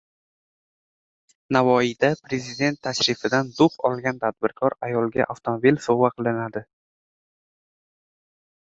Navoiyda Prezident tashrifidan «dux» olgan tadbirkor ayolga avtomobil sovg‘a qilinadi